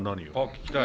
聞きたい。